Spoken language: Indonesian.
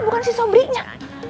bukan si sobri nya